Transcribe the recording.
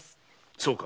そうか。